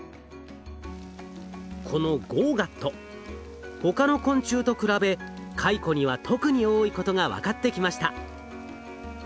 このＧＯＧＡＴ他の昆虫と比べカイコには特に多いことが分かってきました。